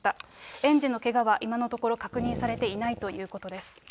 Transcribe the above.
園児のけがはいまのところ確認されていないということです。